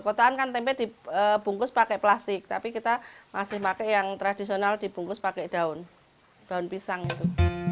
kotaan kan tempe dibungkus pakai plastik tapi kita masih pakai yang tradisional dibungkus pakai daun daun pisang itu